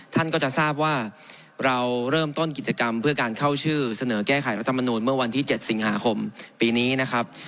ท่านก็จะทราบว่าเราเริ่มต้นกิจกรรมเพื่อการเข้าชื่อเสนอแก้ไขรัฐมนูลเมื่อวันที่๗สิงหาคมปีนี้นะครับ